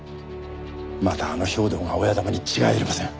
またあの兵頭が親玉に違いありません。